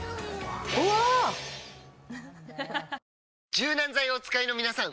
柔軟剤をお使いのみなさん！